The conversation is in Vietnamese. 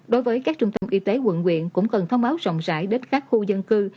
đối với các trung tâm y tế quận quyện cũng cần thông báo rộng rãi đến các khu dân cư